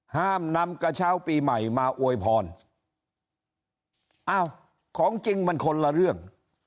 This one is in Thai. ห้ามนำกระเช้าปีใหม่มาอวยพรอ้าวของจริงมันคนละเรื่อง